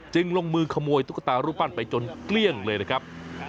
ลงมือขโมยตุ๊กตารูปปั้นไปจนเกลี้ยงเลยนะครับ